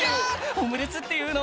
「オムレツっていうの？